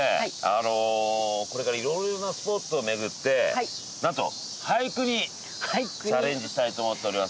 あのこれから色々なスポットを巡ってなんと俳句にチャレンジしたいと思っております。